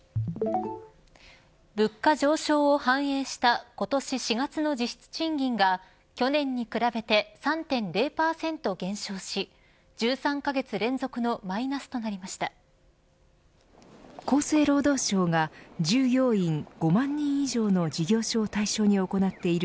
物価上昇を反映した今年４月の実質賃金が去年に比べて３．０％減少し１３カ月連続の厚生労働省が従業員５万人以上の事業所を対象に行っている